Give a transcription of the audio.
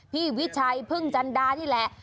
วิชัยพึ่งจันดานี่แหละ